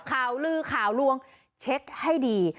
ข่าวลือข่าวลวงเช็คให้ดี